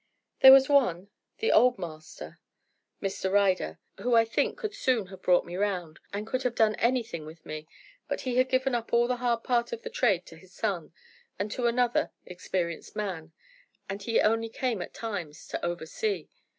"There was one the old master, Mr. Ryder who, I think, could soon have brought me round, and could have done anything with me; but he had given up all the hard part of the trade to his son and to another experienced man, and he only came at times to oversee.